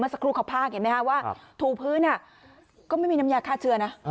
สักครู่เขาพากเห็นไหมฮะว่าถูพื้นก็ไม่มีน้ำยาฆ่าเชื้อนะ